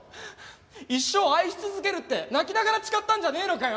一生愛し続けるって泣きながら誓ったんじゃねえのかよ？